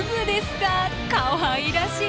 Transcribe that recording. かわいらしい！